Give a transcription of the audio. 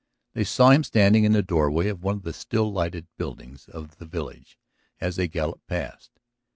They saw him standing in the doorway of the one still lighted building of the village as they galloped past.